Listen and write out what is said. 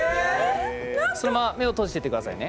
そのまま目を閉じててくださいね。